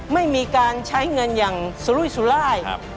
ไม่มีการใช้เงินอย่างสุรุยสุราย